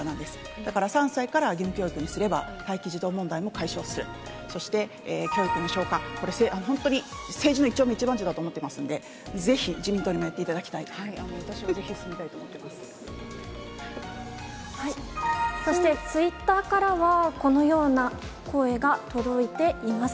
だから３歳から義務教育にすれば、待機児童問題も解消する、そして、教育無償化、これ、本当に政治の一丁目一番地だと思っていますので、ぜひ自民党にやっていただき私もぜひ、そして、ツイッターからはこのような声が届いています。